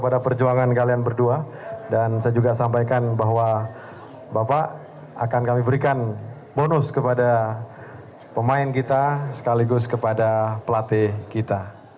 dan saya juga sampaikan bahwa bapak akan kami berikan bonus kepada pemain kita sekaligus kepada pelatih kita